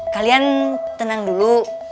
kalian tenang dulu